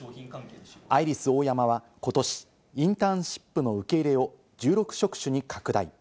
アイリスオーヤマは、今年、インターンシップの受け入れを１６職種に拡大。